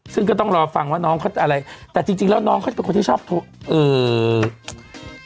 ซึ่งก็ต้องรอฟังว่าน้องเขาจะอะไรแต่จริงแล้วน้องเขาเป็นคนที่ชอบโทรศัพท์